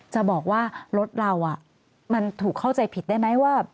จะบอกว่ารถเรามันถูกเข้าใจผิดได้ไหมว่า